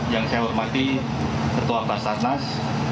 yang saya hormati ketua basarnas